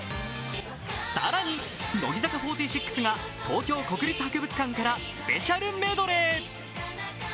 更に乃木坂４６が東京国立博物館からスペシャルメドレー。